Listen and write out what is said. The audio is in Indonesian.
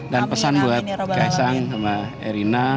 dan pesan buat kaisang sama erina